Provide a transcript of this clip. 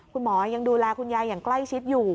คุณหมอยังดูแลคุณยายอย่างใกล้ชิดอยู่